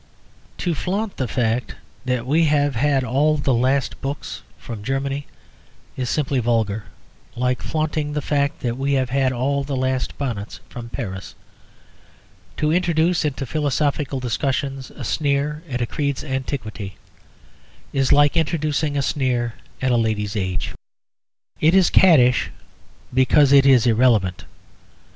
To flaunt the fact that we have had all the last books from Germany is simply vulgar; like flaunting the fact that we have had all the last bonnets from Paris. To introduce into philosophical discussions a sneer at a creed's antiquity is like introducing a sneer at a lady's age. It is caddish because it is irrelevant.